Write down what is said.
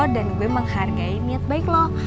dan gue menghargai niat baik lo